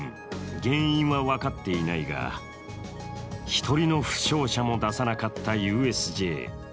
原因は分かっていないが、一人の負傷者も出さなかったＵＳＪ。